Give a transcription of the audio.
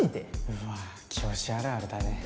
うわ教師あるあるだね